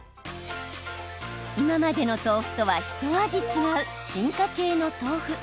今までの豆腐とはひと味違う進化系の豆腐。